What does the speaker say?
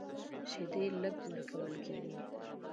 شیدې لږ ورکول کېږي.